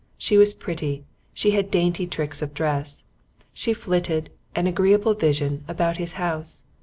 She was pretty. She had dainty tricks of dress. She flitted, an agreeable vision, about his house.